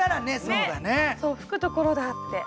そう吹くところだって。